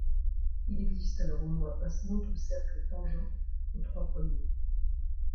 Il existe alors au moins un autre cercle tangent aux trois premiers.